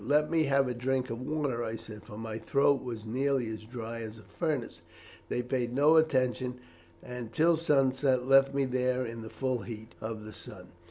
'Let me have a drink of water,' I said, for my throat was nearly as dry as a furnace. They paid no attention, and till sunset left me there in the full heat of the sun.